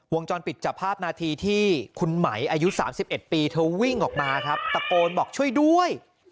วงจรปิดจับภาพนาทีที่คุณไหมอายุ๓๑ปีเธอวิ่งออกมาครับตะโกนบอกช่วยด้วย